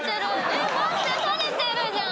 えっ待って垂れてるじゃん！